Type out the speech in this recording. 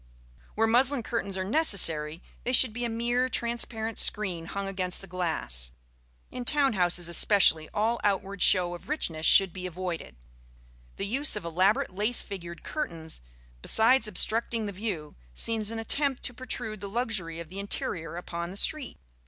Where muslin curtains are necessary, they should be a mere transparent screen hung against the glass. In town houses especially all outward show of richness should be avoided; the use of elaborate lace figured curtains, besides obstructing the view, seems an attempt to protrude the luxury of the interior upon the street.